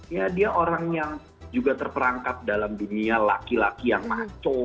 ya dia orang yang juga terperangkap dalam dunia laki laki yang maco